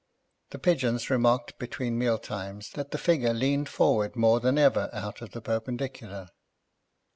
The pigeons remarked, between mealtimes, that the figure leaned forward more than ever out of the perpendicular.